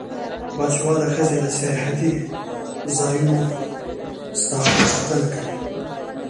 باسواده ښځې د سیاحتي ځایونو ساتنه کوي.